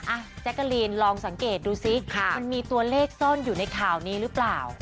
แจ๊กกะลีนลองสังเกตดูซิมันมีตัวเลขซ่อนอยู่ในข่าวนี้หรือเปล่า